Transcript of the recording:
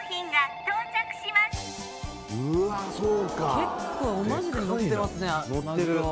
結構マジでのってますね